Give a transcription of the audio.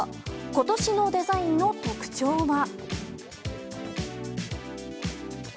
今年のデザインの特徴は。